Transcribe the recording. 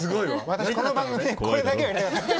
私この番組でこれだけはやりたかったの。